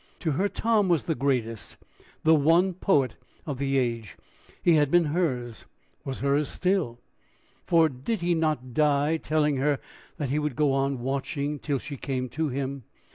To her, Tom was the greatest, the one poet of the age; he had been hers was hers still, for did he not die telling her that he would go on watching till she came to him?